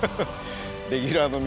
「レギュラーの道」？